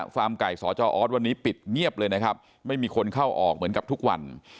ไก่สจออสวันนี้ปิดเงียบเลยนะครับไม่มีคนเข้าออกเหมือนกับทุกวัน